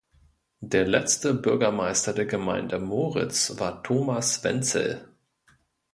Der letzte Bürgermeister der Gemeinde Moritz war Thomas Wenzel.